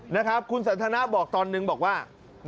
นะครับคุณสันทนาบอกตอนนึงบอกว่า